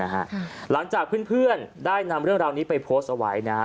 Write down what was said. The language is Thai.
หลังจากเพื่อนได้นำเรื่องราวนี้ไปโพสต์เอาไว้นะฮะ